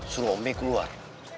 suruh om bey keluar